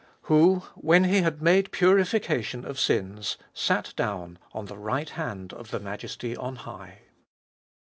Who, when he had made purification1 of sins, sat down on the right hand of the Majesty on high.